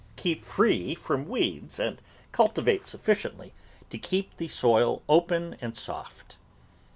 Keep free from weeds and cultivate sufficiently to keep the soil open and soft.